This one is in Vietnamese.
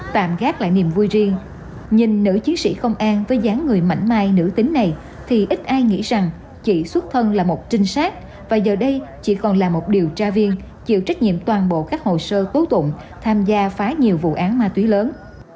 tạm gác lại niềm vui riêng nhìn nữ chiến sĩ công an với dán người mảnh mai nữ tính này thì ít ai nghĩ rằng chỉ xuất thân là một trinh sát và giờ đây chỉ còn là một điều tra viên chịu trách nhiệm toàn bộ các hồ sơ tố tụng tham gia phá nhiều vụ án ma túy lớn